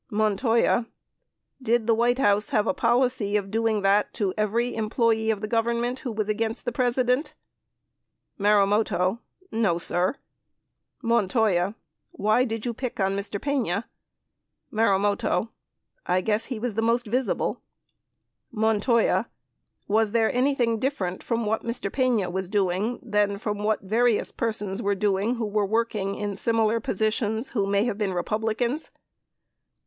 Montoya. Did the White House have a policy of doing that to every employee in the Government who was against the President ? Marumoto. No, sir. Montoya. Why did you pick on Mr. Pena? Marumoto. I guess he was the most visible. *% iji ❖* Montoya. Was there anything different from what Mr. Pena was doing than from what various persons were doing who were working in similar positions who may have been Republicans